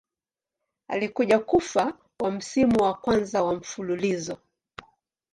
Alikuja kufa wa msimu wa kwanza wa mfululizo.